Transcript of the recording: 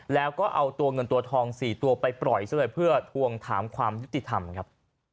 แล้วก็เอาตัวเงินตัวทอง๔ตัวไปปล่อยซะเลยเพื่อทวงถามความยุติธรรมครับ